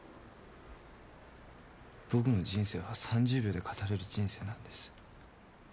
僕の人生は３０秒で語れる人生なんです。